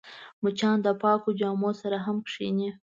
مچان د پاکو جامو سره هم کښېني